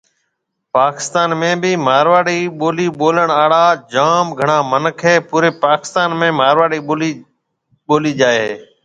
پاڪستان ۾ بهيَ مارواڙي ٻولي ٻولڻ آڙا جام گھڻا مِنک هيَ پوري پاڪستان ۾ مارواڙي ٻولي جائي هيَ۔